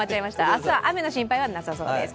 明日は雨の心配はなさそうです。